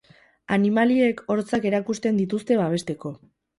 Animaliek hortzak erakusten dituzte babesteko.